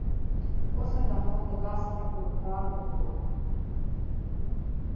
اوس مې د احمد له کار څخه ټوکار وخوړ.